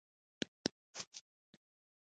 ښکاري د بریا لپاره هڅه کوي.